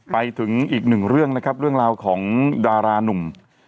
ไปถึงอีกหนึ่งเรื่องนะครับเรื่องราวของดารานุ่ม